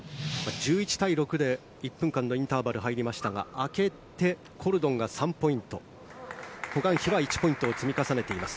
１１対６で１分間のインターバルが入りましたが明けてコルドンが３ポイントホ・グァンヒは１ポイントを積み重ねています。